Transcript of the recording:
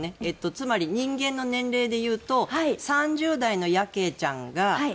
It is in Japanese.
つまり、人間の年齢でいうと３０代のヤケイちゃんが。